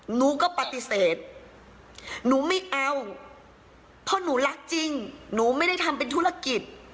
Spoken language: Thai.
หนูก็ปฏิเสธหนูไม่เอาเพราะหนูรักจริงหนูไม่ได้ทำเป็นธุรกิจ